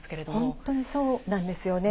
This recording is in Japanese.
本当にそうなんですよね。